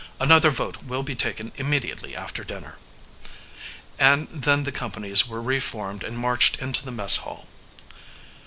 Another vote will be taken immediately after dinner," and then the companies were re formed and marched into the mess hall.